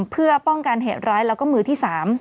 เพื่อป้องกันเหตุร้ายแล้วก็มือที่๓